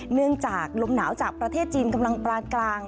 เนื่องจากลมหนาวจากประเทศจีนกำลังปานกลาง